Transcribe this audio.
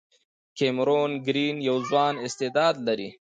کیمرون ګرین یو ځوان استعداد لري.